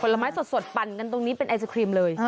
ไม้สดปั่นกันตรงนี้เป็นไอศครีมเลย